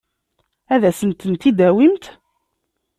Ad asent-ten-id-tawimt?